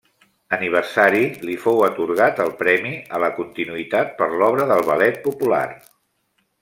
Aniversari, li fou atorgat el Premi a la Continuïtat per l'Obra del Ballet Popular.